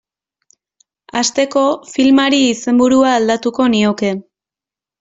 Hasteko, filmari izenburua aldatuko nioke.